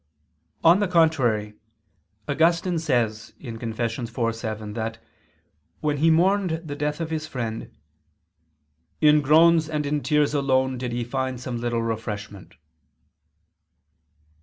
On the contrary, Augustine says (Confess. iv, 7) that when he mourned the death of his friend, "in groans and in tears alone did he find some little refreshment."